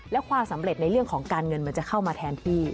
และความสำเร็จในเรื่องของการเงินมันจะเข้ามาแทนพี่